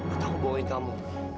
atau aku bohongin kamu